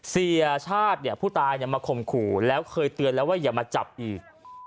เสียชาติเนี่ยผู้ตายมาข่มขู่แล้วเคยเตือนแล้วว่าอย่ามาจับอีก